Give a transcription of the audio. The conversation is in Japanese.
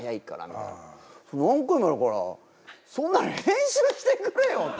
何回もやるからそんなの編集してくれよって！